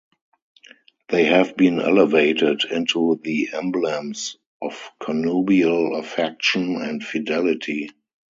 They have been elevated into the emblems of connubial affection and fidelity.